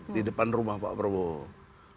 di depan rumah pak prabowo